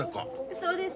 そうです。